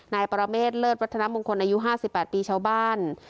นายปรเมษเลิศวัฒนามงคลอายุ๕๘ปีชาวบ้าน